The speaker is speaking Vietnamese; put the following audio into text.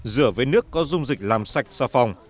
rửa với nước có dung dịch làm sạch xà phòng